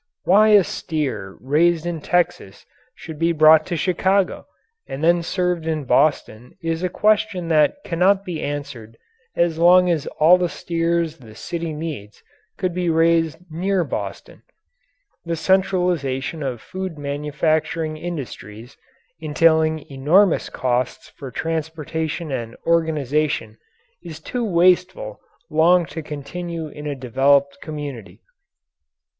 Why a steer raised in Texas should be brought to Chicago and then served in Boston is a question that cannot be answered as long as all the steers the city needs could be raised near Boston. The centralization of food manufacturing industries, entailing enormous costs for transportation and organization, is too wasteful long to continue in a developed community.